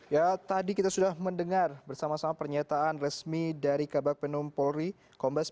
ya tadi kita sudah mendengar bersama sama pernyataan resmi dari kabak penum polri kombes